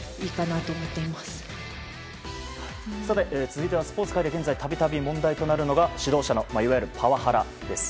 続いてはスポーツ界で度々、問題となるのが指導者のいわゆるパワハラです。